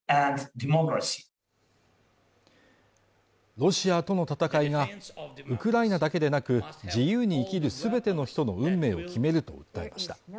ロシアとの戦いがウクライナだけでなく、自由に生きる全ての人の運命を決めると訴えました。